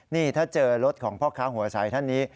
นี่ถ้าเจอรถของพ่อค้าหัวใสท่านนี้